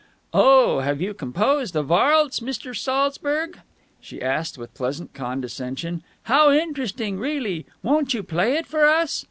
"Oh, have you composed a varlse, Mr. Saltzburg?" she asked with pleasant condescension. "How interesting, really! Won't you play it for us?"